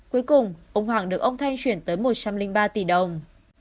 cuối cùng ông hoàng được ông thanh chuyển tới một trăm linh ba tỷ đồng